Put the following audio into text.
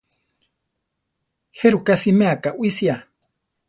¿Jéruka siméa kawísia?